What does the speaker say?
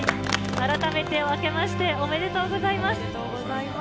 改めて、あけましておめでとうございます。